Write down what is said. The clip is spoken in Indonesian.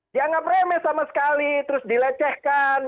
dianggap remeh sama sekali terus dilecehkan